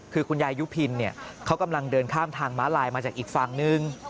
คือคุณยายยุพินเขากำลังเดินข้ามทางม้าลายมาจากอีกฝั่งนึง